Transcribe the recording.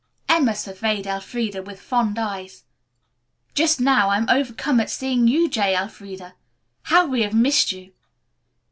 Emma surveyed Elfreda with fond eyes. "Just now I'm overcome at seeing you, J. Elfreda. How we have missed you!"